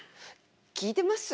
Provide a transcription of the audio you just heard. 聞いてます？